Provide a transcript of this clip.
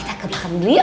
saya ke belakang dulu yuk